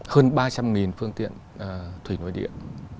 hơn ba trăm linh phương tiện thủy nối điện